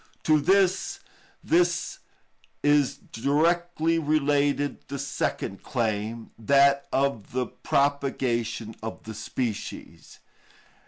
To this is directly related the second claim, that of the propagation of the species.